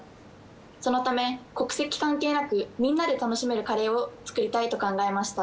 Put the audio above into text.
そのため国籍関係なくみんなで楽しめるカレーを作りたいと考えました。